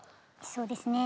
そうですね。